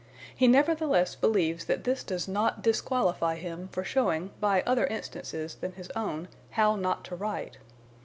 He nevertheless believes that this does not disqualify him for showing by other instances than his own how not to write.